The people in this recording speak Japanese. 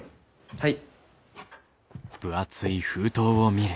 はい。